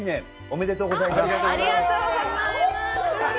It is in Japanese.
ありがとうございます。